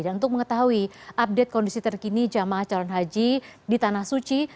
dan untuk mengetahui update kondisi terkini jamaah calon haji di tanah suci